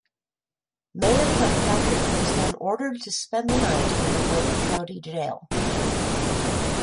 Mayor Kilpatrick was then ordered to spend the night in the Wayne County jail.